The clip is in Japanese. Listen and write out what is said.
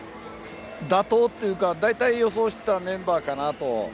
妥当というかだいたい予想していたメンバーかなと。